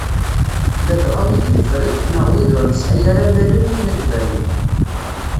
Ladɣa wid yeffren, neɣ wid ur nesɛi ara allalen akken ad d-banen.